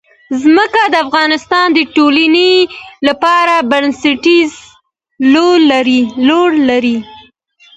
ځمکه د افغانستان د ټولنې لپاره بنسټيز رول لري.